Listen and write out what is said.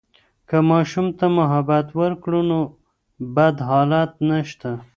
که ماشوم ته محبت وکړو، نو بد حالات نشته.